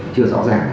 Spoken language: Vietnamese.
chưa rõ ràng